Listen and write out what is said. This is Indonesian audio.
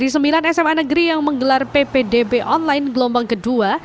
di sembilan sma negeri yang menggelar ppdb online gelombang kedua